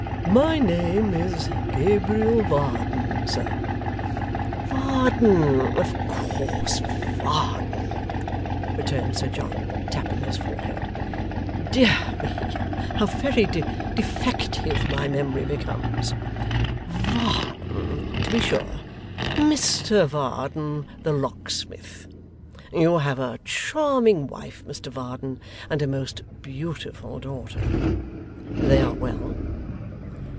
'My name is Gabriel Varden, sir.' 'Varden, of course, Varden,' returned Sir John, tapping his forehead. 'Dear me, how very defective my memory becomes! Varden to be sure Mr Varden the locksmith. You have a charming wife, Mr Varden, and a most beautiful daughter. They are well?